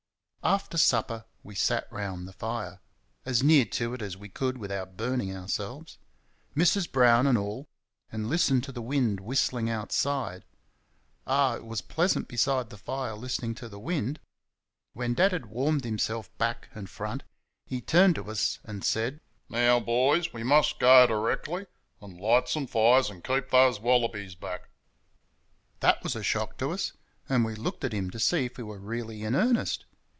After supper we sat round the fire as near to it as we could without burning ourselves Mrs. Brown and all, and listened to the wind whistling outside. Ah, it was pleasant beside the fire listening to the wind! When Dad had warmed himself back and front he turned to us and said: "Now, boys, we must go directly and light some fires and keep those wallabies back." That was a shock to us, and we looked at him to see if he were really in earnest.